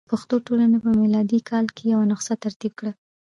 پښتو ټولنې په میلادي کال کې یوه نسخه ترتیب کړه.